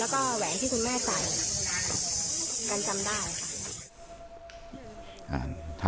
แล้วก็แหวนที่คุณแม่ใส่กันจำได้ค่ะ